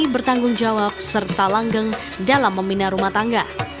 berani bertanggung jawab serta langgeng dalam memindah rumah tangga